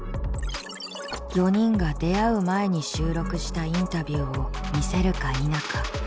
４人が出会う前に収録したインタビューを見せるか否か。